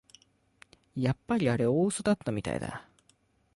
やっぱりあれ大うそだったみたいだ